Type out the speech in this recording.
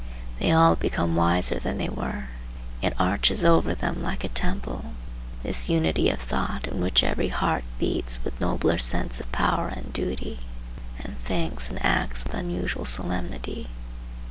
They all become wiser than they were. It arches over them like a temple, this unity of thought in which every heart beats with nobler sense of power and duty, and thinks and acts with unusual solemnity.